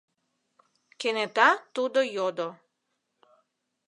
— кенета тудо йодо.